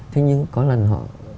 thế nhưng có lần họ